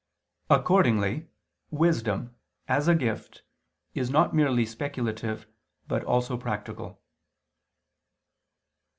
Accordingly wisdom as a gift, is not merely speculative but also practical.